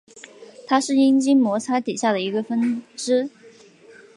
它是阴茎摩擦底下的一个分支。